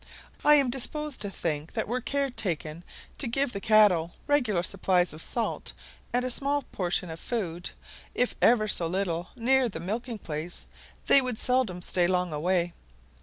I am disposed to think that were care taken to give the cattle regular supplies of salt, and a small portion of food, if ever so little, near the milking place, they would seldom stay long away.